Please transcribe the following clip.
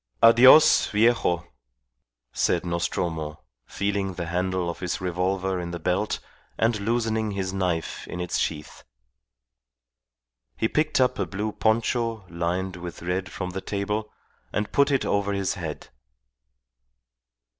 "Adios, viejo," said Nostromo, feeling the handle of his revolver in the belt and loosening his knife in its sheath. He picked up a blue poncho lined with red from the table, and put it over his head.